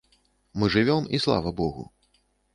Мы жывём і слава богу.